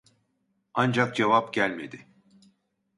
Ancak cevap gelmedi